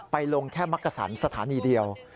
ลงแค่มักกษันสถานีเดียว